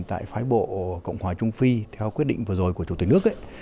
tại phái bộ cộng hòa trung phi theo quyết định vừa rồi của chủ tịch nước